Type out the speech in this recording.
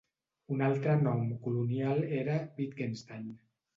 Un altre nom colonial era Wittgenstein.